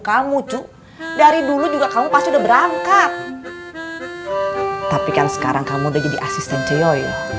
kamu cuk dari dulu juga kamu pasti udah berangkat tapi kan sekarang kamu udah jadi asisten geoy